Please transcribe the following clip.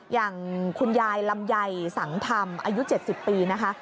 อย่างคุณยายลำไยสังธรรมอายุ๗๐ปีนะคะ